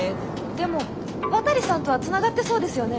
でも渡さんとはつながってそうですよね。